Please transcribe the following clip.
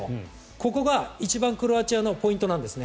ここが一番クロアチアのポイントなんですね。